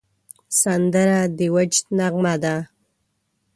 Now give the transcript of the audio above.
سندره د وجد نغمه ده